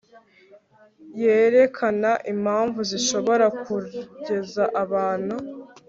yerekana impamvu zishobora kugeza abantu